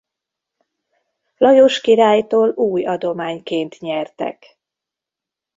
Lajos királytól új adományként nyertek.